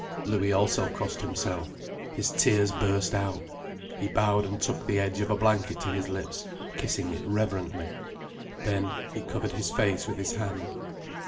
Louis also crossed himself. His tears burst out. He bowed and took the edge of a blanket to his lips, kissing it reverently. Then he covered his face with his hand.